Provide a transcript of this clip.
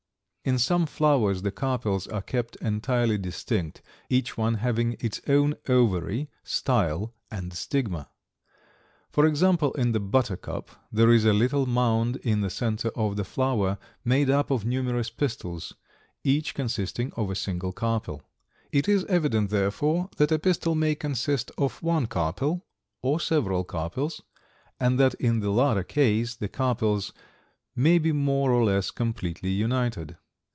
In some flowers the carpels are kept entirely distinct, each one having its own ovary, style, and stigma. For example, in the buttercup there is a little mound in the center of the flower made up of numerous pistils, each consisting of a single carpel. It is evident, therefore, that a pistil may consist of one carpel or several carpels, and that in the latter case the carpels may be more or less completely united.